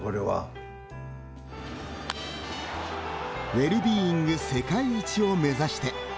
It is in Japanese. ウェルビーイング世界一を目指して。